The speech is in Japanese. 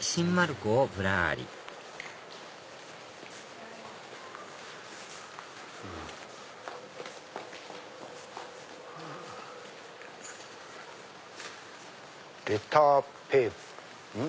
新丸子をぶらりレターペーうん？